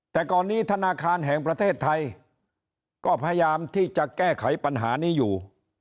แต่ก่อนนี้ธนาคารแห่งประเทศไทยก็พยายามที่จะแก้ไขปัญหานี้อยู่